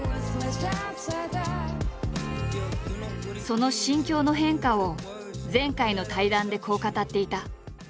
その心境の変化を前回の対談でこう語っていた。